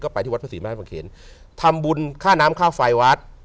ก็ไปที่วัดประสิทธิ์มธาตุบังเกณฑ์ทำบุญค่าน้ำข้าวไฟวัด